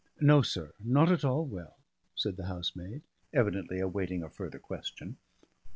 "No, sir, not at all well," said the housemaid, evidently awaiting a further question.